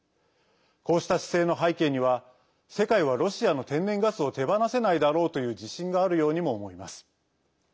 こうした姿勢の背景には世界はロシアの天然ガスを手放せないだろうという自信があるようにも思えます。